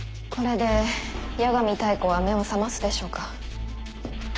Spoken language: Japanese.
これで八神妙子は目を覚ますでしょうか？